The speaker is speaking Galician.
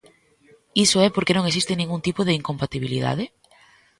¿Iso é porque non existe ningún tipo de incompatibilidade?